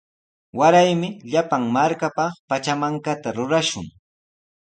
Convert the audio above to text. Waraymi llapan markapaq pachamankata rurashun.